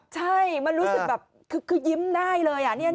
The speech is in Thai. ใช่มันรู้สึกแบบคือยิ้มได้เลย